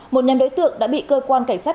một nhóm đối tượng đã bị cơ quan cảnh sát